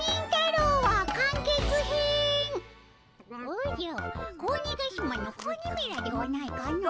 おじゃっ子鬼ヶ島の子鬼めらではないかの？